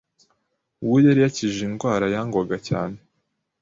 uwo yari yarakijije indwara yangwaga cyane